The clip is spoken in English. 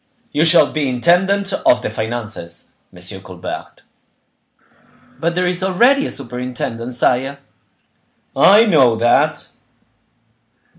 "You shall be intendant of the finances, M. Colbert." "But there is already a superintendent, sire." "I know that."